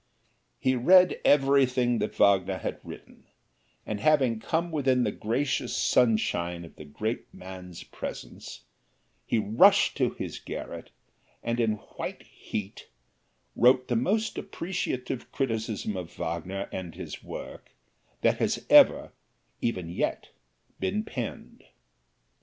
He read everything that Wagner had written, and having come within the gracious sunshine of the great man's presence, he rushed to his garret and in white heat wrote the most appreciative criticism of Wagner and his work that has ever, even yet, been penned.